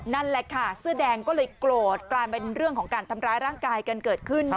นั่นแหละค่ะเสื้อแดงก็เลยโกรธกลายเป็นเรื่องของการทำร้ายร่างกายกันเกิดขึ้น